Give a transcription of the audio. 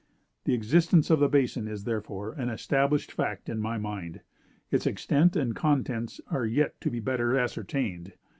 The existence of the Basin is, therefore, an established fact in my mind; its extent and contents are yet to be better ascertained.